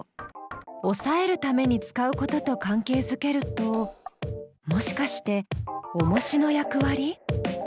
おさえるために使うことと関係づけるともしかしておもしの役割？